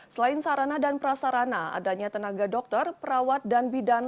selain sarana dan prasarana adanya tenaga dokter perawat dan bidan